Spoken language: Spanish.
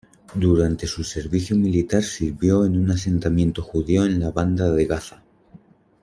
Durante su servicio militar sirvió en un asentamiento judío en la banda de Gaza.